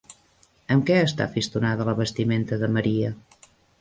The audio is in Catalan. Amb què està fistonada la vestimenta de Maria?